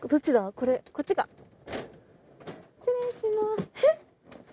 これこっちか失礼しますへっ？